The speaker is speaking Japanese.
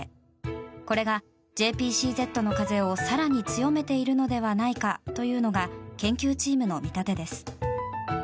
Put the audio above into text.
これが、ＪＰＣＺの風を更に強めているのではないかというのが研究チームの見立てです。